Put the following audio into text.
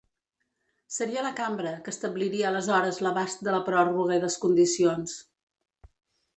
Seria la cambra, que establiria aleshores l’abast de la pròrroga i les condicions.